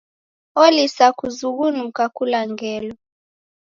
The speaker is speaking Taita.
Olisa kuzughunuka kula ngelo.